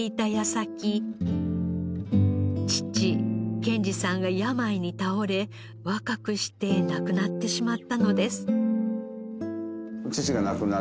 父健治さんが病に倒れ若くして亡くなってしまったのです。